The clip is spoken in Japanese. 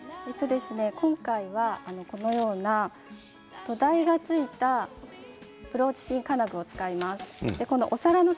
今回は、このような土台がついたブローチピン金具を使います。